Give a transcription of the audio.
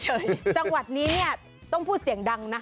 จังหวัดนี้เนี่ยต้องพูดเสียงดังนะคะ